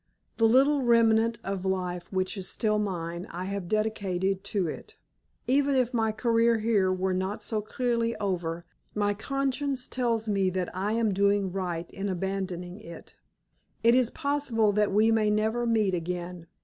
The little remnant of life which is still mine I have dedicated to it. Even if my career here were not so clearly over, my conscience tells me that I am doing right in abandoning it. It is possible that we may never meet again.